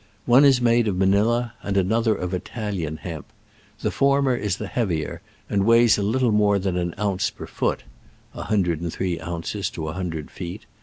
One is made of Manila and another of Italian hemp. The former is the heavier, and weighs a little more than an ounce per foot (103 ounces to 100 feet).